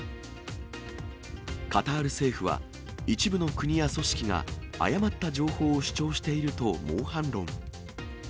カタール政府は、一部の国や組織が誤った情報を主張しているともう反論。